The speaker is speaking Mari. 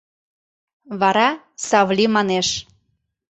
Вара Савли манеш: